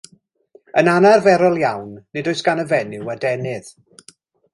Yn anarferol iawn, nid oes gan y fenyw adenydd.